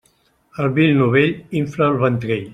El vi novell infla el ventrell.